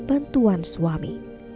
tanpa bantuan suami